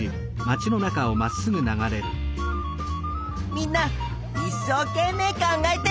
みんないっしょうけんめい考えてるね！